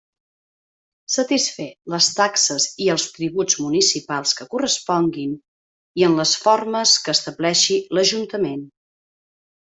Satisfer les taxes i els tributs municipals que corresponguin i en les formes que estableixi l'Ajuntament.